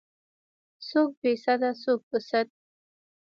څوک بې سده څوک په سد.